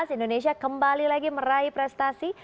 indonesia kembali lagi meraih prestasi